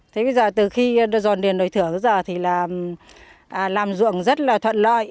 thế bây giờ từ khi dồn niền rời thừa bây giờ thì làm ruộng rất là thuận lợi